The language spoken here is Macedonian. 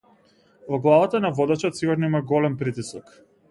Во главата на водачот сигурно има голем притисок.